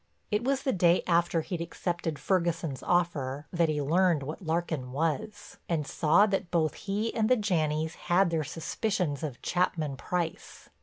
It was the day after he'd accepted Ferguson's offer that he learned what Larkin was, and saw that both he and the Janneys had their suspicions of Chapman Price.